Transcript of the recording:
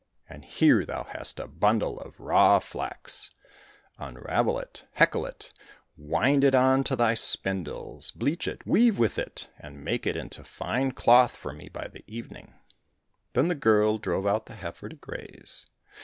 And here thou hast a bundle of raw flax ; unravel it, heckle it, wind it on to thy spindles, bleach it, weave with it, and make it into fine cloth for me by the evening !"— Then the girl drove out the heifer to graze.